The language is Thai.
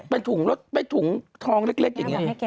เป็นถุงท้องเล็กอย่างนี้